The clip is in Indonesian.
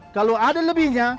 kalau ada lebihnya